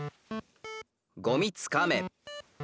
「ゴミつかめ」。